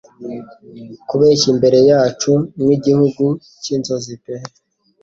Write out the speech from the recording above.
Kubeshya imbere yacu nk'igihugu cy'inzozi pe